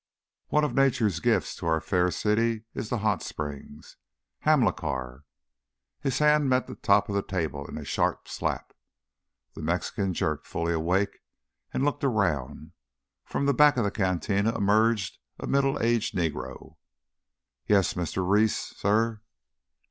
"One of nature's gifts to our fair city is the hot spring. Hamilcar!" His hand met table top in a sharp slap. The Mexican jerked fully awake and looked around. From the back of the cantina emerged a middle aged Negro. "Yes, Mistuh Reese, suh?"